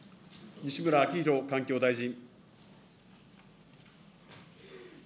西村明宏環境大臣。